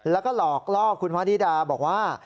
แล้วก็หลอกล่อคุณวนิดาบอกว่า